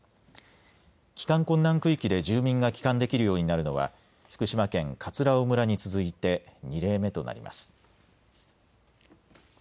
帰還困難区域で住民が帰還できるようになるのは福島県葛尾村に続いて２例目となります。